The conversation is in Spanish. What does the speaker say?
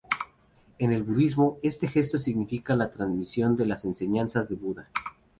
En el budismo, este gesto significa la transmisión de las enseñanzas de Buda.